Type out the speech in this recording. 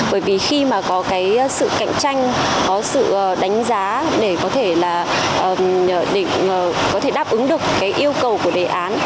bởi vì khi có sự cạnh tranh có sự đánh giá để có thể đáp ứng được yêu cầu của đề án